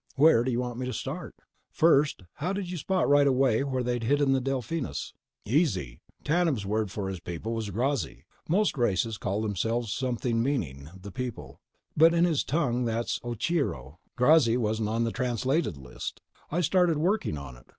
"Where do you want me to start?" "First, how'd you spot right away where they'd hidden the Delphinus?" "Easy. Tanub's word for his people was Grazzi. Most races call themselves something meaning The People. But in his tongue that's Ocheero. Grazzi wasn't on the translated list. I started working on it.